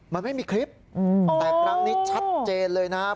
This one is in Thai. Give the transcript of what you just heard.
มันไม่มีคลิปแต่ครั้งนี้ชัดเจนเลยนะครับ